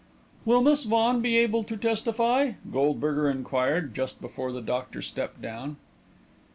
"Will Miss Vaughan be able to testify?" Goldberger inquired, just before the doctor stepped down.